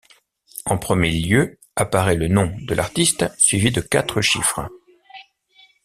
En premier lieu apparaît le nom de l'artiste suivi de quatre chiffres.